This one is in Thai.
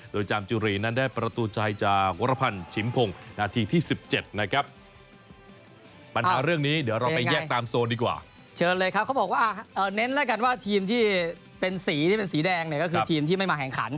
โดยจามจุรีนั้นได้ประตูชัยจากวรพันธ์ชิมพงศ์นาทีที่๑๗นะครับ